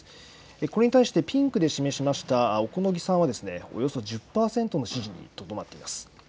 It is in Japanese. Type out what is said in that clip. これに対してピンクで示しました小此木さんはおよそ１０％の支持にとどまっています。